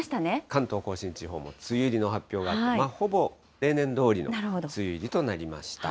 関東甲信地方も梅雨入りの発表があって、ほぼ平年どおりの梅雨入りとなりました。